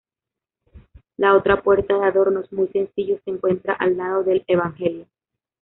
La otra puerta, de adornos muy sencillos, se encuentra al lado del evangelio.